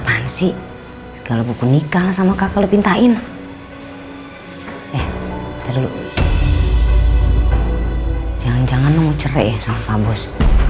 kasih kalau buku nikah sama kakak pintain eh terlalu jangan jangan mau cerai salva bos